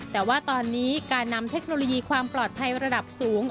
แต่ว่าตอนนี้การนำเทคโนโลยีความปลอดภัยระดับสูง